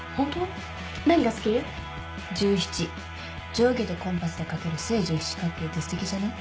定規とコンパスで描ける正十七角形ってすてきじゃない？